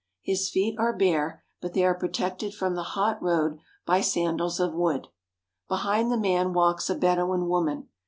His feet are bare, but they are protected from the hot road by sandals of wood. Behind the man walks a Bedouin woman.